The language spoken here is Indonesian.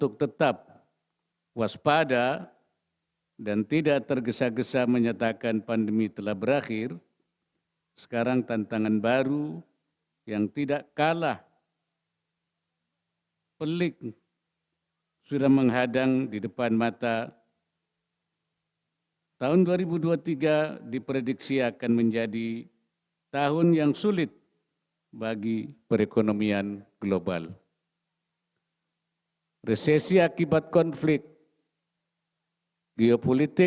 kepada para penerima penghargaan kami silakan untuk maju dan mengambil posisi